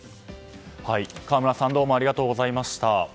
河村さんありがとうございました。